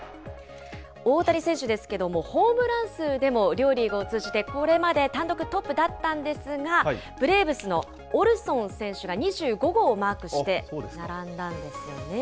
大谷選手ですけども、ホームラン数でも、両リーグを通じてこれまで単独トップだったんですが、ブレーブスのオルソン選手が２５号をマークして、並んだんですよね。